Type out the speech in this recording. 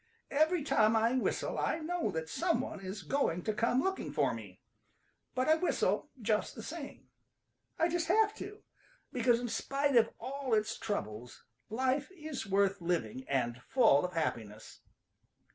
Every time I whistle 1 know that some one is going to come looking for me, but I whistle just the same. I just have to, because in spite of all its troubles life is worth living and full of happiness.